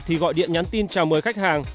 thì gọi điện nhắn tin chào mời khách hàng